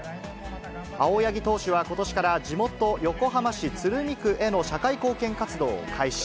青柳投手はことしから地元、横浜市鶴見区への社会貢献活動を開始。